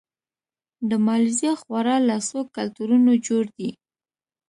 د مالیزیا خواړه له څو کلتورونو جوړ دي.